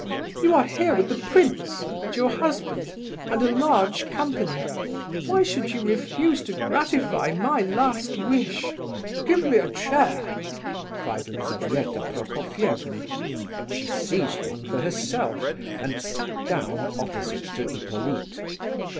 "You are here with the prince, and your husband, and a large company. Why should you refuse to gratify my last wish?" "Give me a chair!" cried Lizabetha Prokofievna, but she seized one for herself and sat down opposite to Hippolyte.